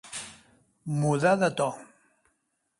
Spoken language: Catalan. Mudar de to.